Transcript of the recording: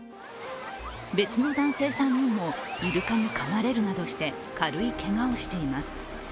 別の男性３人もイルカにかまれるなどして軽いけがをしています。